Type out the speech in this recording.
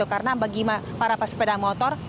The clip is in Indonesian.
karena bagi para pesepeda motor